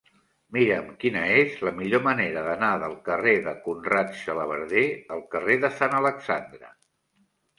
Mira'm quina és la millor manera d'anar del carrer de Conrad Xalabarder al carrer de Sant Alexandre.